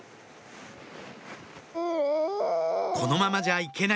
このままじゃいけない！